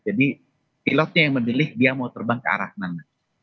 jadi pilotnya yang memilih dia mau terbang ke arah mana